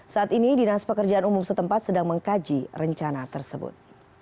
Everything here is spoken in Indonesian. saat ini dinas pekerjaan umum setempat sedang mengkaji rencana tersebut